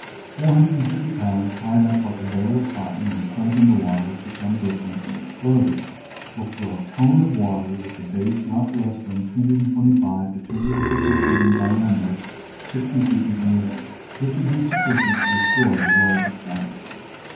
Four hundred and fifty pounds tied up like a bale of cotton and sunk in the water to some distance and exploded will throw a cone of water with a base not less than 225 to 250 feet in diameter sixty feet into the air. This would be sufficient to destroy the largest battle ship.